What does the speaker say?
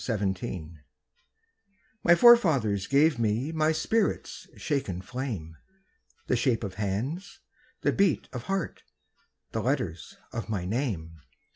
Driftwood My forefathers gave me My spirit's shaken flame, The shape of hands, the beat of heart, The letters of my name.